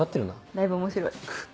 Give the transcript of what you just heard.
だいぶ面白い。